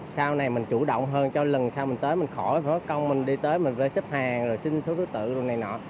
sau này mình chủ động hơn cho lần sau mình tới mình khỏi phải nói công mình đi tới mình gửi xếp hàng rồi xin số thứ tự rồi này nọ